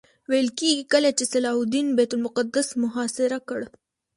ویل کېږي کله چې صلاح الدین بیت المقدس محاصره کړ.